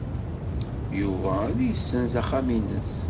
Yuba ad yessenz axxam-nnes.